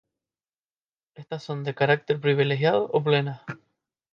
Estas son de carácter privilegiado o plenas.